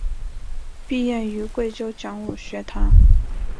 毕业于贵州讲武学堂。